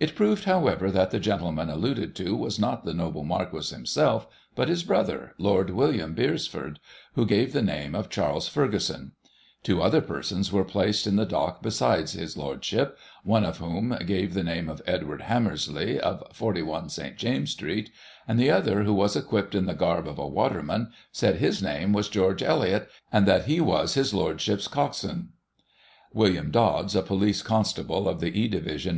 It proved, however, that the gentle man alluded to was liot the noble Marqiiis himself, but his brother, Lord William Beresford, who gave the name of Charles Ferguson^ Two other persons were placed in the dock besides his Lordship, one of whom gave the name of Edward Hammersley, of 41, St James's Street, and the other, who was equipped in the garb of a waterman, said his name was George Elliott, and that he was his Lordship's coxswain. WiUiam Dodds, a police constable of the E division.